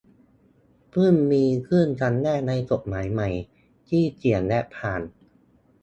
เพิ่งมีขึ้นครั้งแรกในกฎหมายใหม่ ที่เขียนและผ่าน